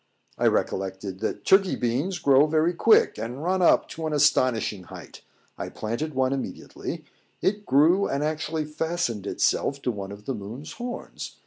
I recollected that Turkey beans grow very quick, and run up to an astonishing height. I planted one immediately; it grew, and actually fastened itself to one of the moon's horns.